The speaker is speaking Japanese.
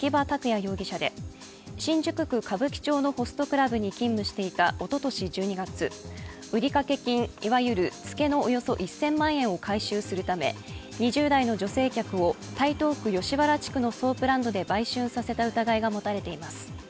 容疑者で新宿区歌舞伎町のホストクラブに勤務していたおととし１２月、売掛金、いわゆるツケのおよそ１０００万円を回収するため２０代の女性客を台東区吉原地区のソープランドで売春させた疑いが持たれています。